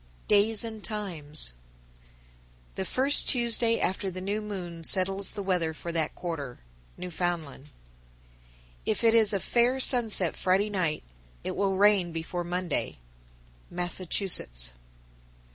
_ DAYS AND TIMES. 936. The first Tuesday after the new moon settles the weather for that quarter. Newfoundland. 937. If it is a fair sunset Friday night, it will rain before Monday. _Massachusetts.